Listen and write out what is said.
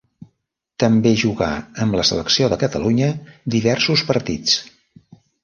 També jugà amb la selecció de Catalunya diversos partits.